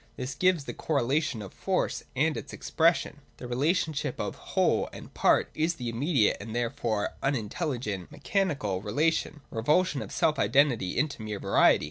This gives the correlation of Force and its Expression. The relationship of whole and part is the immediate and therefore unintelligent (mechanical) relation, — a revulsion of self identity into mere variety.